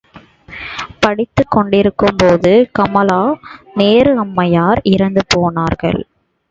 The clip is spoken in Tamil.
படித்துக் கொண்டிருக்கும்போது கமலா நேரு அம்மையார் இறந்து போனார்கள்.